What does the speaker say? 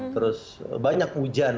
terus banyak hujan